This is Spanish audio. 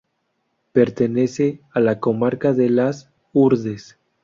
Pertenece a la comarca de Las Hurdes.